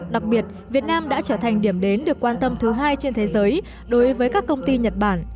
đặc biệt việt nam đã trở thành điểm đến được quan tâm thứ hai trên thế giới đối với các công ty nhật bản